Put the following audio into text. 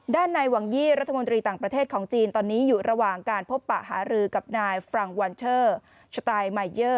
ด้านในหวังยี่รัฐมนตรีต่างประเทศของจีนตอนนี้อยู่ระหว่างการพบปะหารือกับนายฟรังวันเชอร์สไตล์มายเยอร์